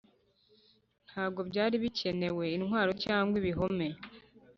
ntabwo byari bikenewe intwaro cyangwa ibihome